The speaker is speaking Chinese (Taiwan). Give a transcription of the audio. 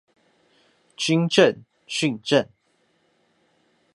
軍政、訓政